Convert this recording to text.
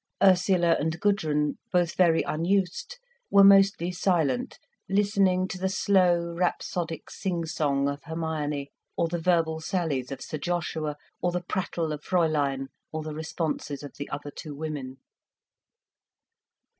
Ursula and Gudrun, both very unused, were mostly silent, listening to the slow, rhapsodic sing song of Hermione, or the verbal sallies of Sir Joshua, or the prattle of Fräulein, or the responses of the other two women.